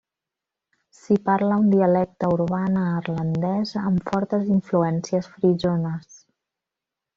S'hi parla un dialecte urbà neerlandès amb fortes influències frisones.